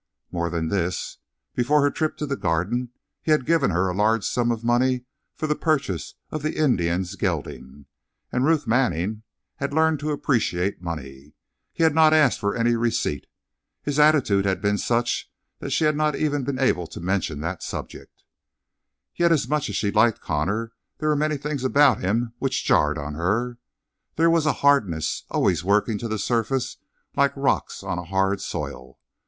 More than this, before her trip to the Garden he had given her a large sum of money for the purchase of the Indian's gelding; and Ruth Manning had learned to appreciate money. He had not asked for any receipt. His attitude had been such that she had not even been able to mention that subject. Yet much as she liked Connor there were many things about him which jarred on her. There was a hardness, always working to the surface like rocks on a hard soil.